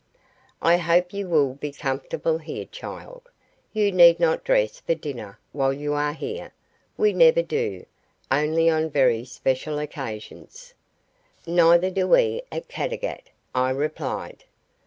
"I hope you will be comfortable here, child. You need not dress for dinner while you are here; we never do, only on very special occasions." "Neither do we at Caddagat," I replied.